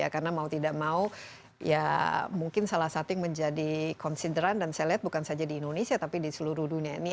karena mau tidak mau mungkin salah satu yang menjadi consideran dan saya lihat bukan saja di indonesia tapi di seluruh dunia ini